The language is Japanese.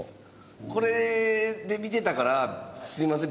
これで見てたからすいません。